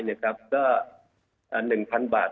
เนี่ยครับก็๑๐๐๐บาท